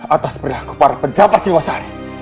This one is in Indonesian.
atas perilaku para pejabat siwasari